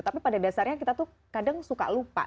tapi pada dasarnya kita tuh kadang suka lupa